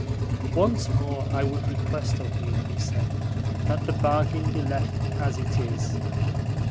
"Once more I would request of you," he said, "that the bargain be left as it is."